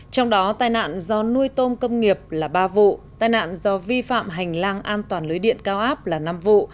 trong đó tai nạn do nuôi tôm công nghiệp là ba vụ tai nạn do vi phạm hành lang an toàn lưới điện cao áp là năm vụ